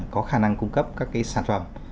có khả năng cung cấp các cái sản phẩm